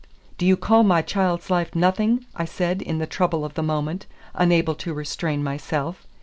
"Do you call my child's life nothing?" I said in the trouble of the moment, unable to restrain myself.